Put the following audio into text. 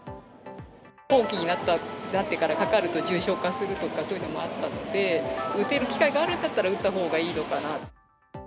後期になってからかかると重症化するとか、そういうのもあったので、打てる機会があるんだったら、打ったほうがいいのかなって。